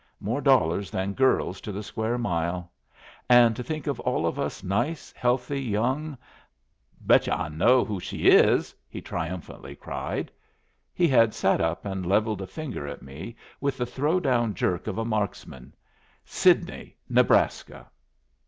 More dollars than girls to the square mile. And to think of all of us nice, healthy, young bet yu' I know who she is!" he triumphantly cried. He had sat up and levelled a finger at me with the throw down jerk of a marksman. "Sidney, Nebraska."